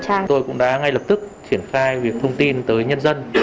trang tôi cũng đã ngay lập tức triển khai việc thông tin tới nhân dân